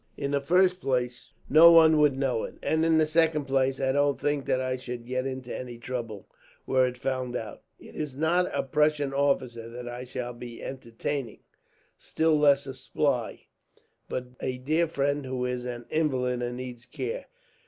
"In the first place no one would know it, and in the second place I don't think that I should get into any trouble, were it found out. It is not a Prussian officer that I shall be entertaining, still less a spy, but a dear friend who is an invalid and needs care.